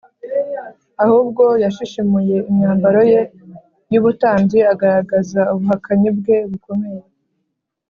ahubwo yashishimuye imyambaro ye y’ubutambyi agaragaza ubuhakanyi bwe bukomeye